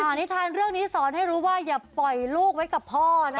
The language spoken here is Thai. นิทานเรื่องนี้สอนให้รู้ว่าอย่าปล่อยลูกไว้กับพ่อนะคะ